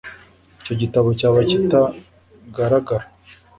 icyo gitabo cyaba kitagaragara